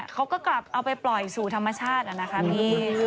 เขาก็กลับเอาไปปล่อยสู่ธรรมชาตินะคะพี่